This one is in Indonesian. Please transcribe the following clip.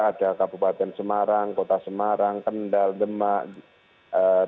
ada kabupaten semarang kota semarang kendal demak dan sekitarnya